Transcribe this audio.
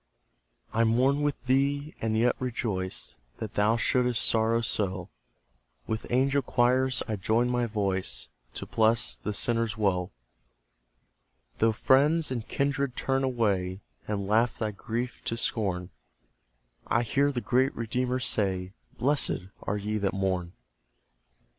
I mourn with thee, and yet rejoice That thou shouldst sorrow so; With angel choirs I join my voice To bless the sinner's woe. Though friends and kindred turn away, And laugh thy grief to scorn; I hear the great Redeemer say, "Blessed are ye that mourn."